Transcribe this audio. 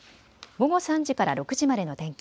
午後３時から６時までの天気。